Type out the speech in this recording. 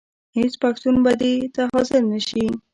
هېڅ پښتون به دې ته حاضر نه شي.